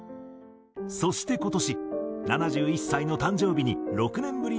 そして今年７１歳の誕生日に６年ぶりのアルバムを発表。